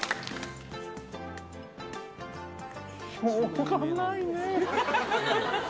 しょうがないね。